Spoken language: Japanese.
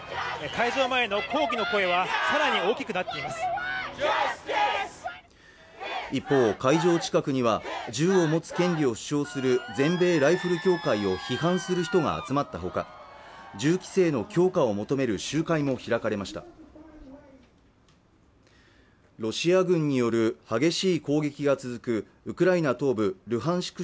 会場への抗議の声はさらに大きくなっています一方、会場近くには銃を持つ権利を主張する全米ライフル協会を批判する人が集まったほか銃規制の強化を求める集会も開かれましたロシア軍による激しい攻撃が続くウクライナ東部ルハンシク